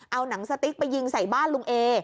เอาหนังสติ๊กไปยิงใส่บ้านลุงเอ